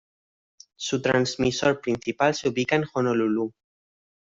Su transmisor principal se ubica en Honolulu.